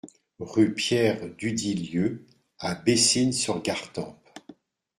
Rue Pierre Duditlieu à Bessines-sur-Gartempe